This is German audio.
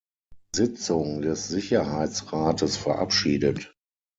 Sitzung des Sicherheitsrates verabschiedet.